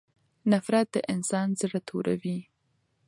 نفرت د انسان زړه توروي.